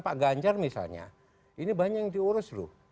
pak ganjar misalnya ini banyak yang diurus loh